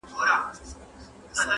په غم پسي ښادي ده.